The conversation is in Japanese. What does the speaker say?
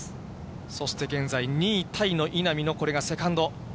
そして現在、２位タイの稲見のこれがセカンド。